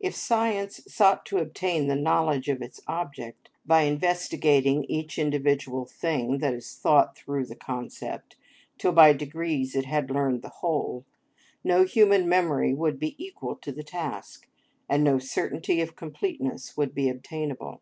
If science sought to obtain the knowledge of its object, by investigating each individual thing that is thought through the concept, till by degrees it had learned the whole, no human memory would be equal to the task, and no certainty of completeness would be obtainable.